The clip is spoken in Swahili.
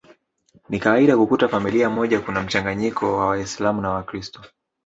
Ni kawaida kukuta familia moja kuna mchanganyiko wa waislamu na wakiristo